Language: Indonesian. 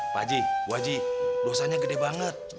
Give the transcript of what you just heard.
pak haji bu haji dosanya gede banget